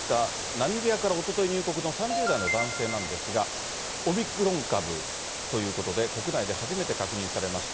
ナミビアからおととい入国の３０代の男性なんですが、オミクロン株ということで、国内で初めて確認されました。